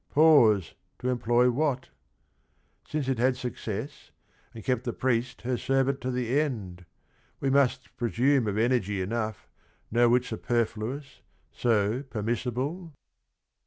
— Pause to employ what — since it had success, And kept the priest her servant to the end — We must presume of energy enough, No whit superfluous, so permissible?